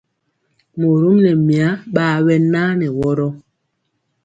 Morom nɛ mya ɓaa ɓɛ naa nɛ wɔrɔ.